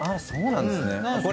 そうなんですね。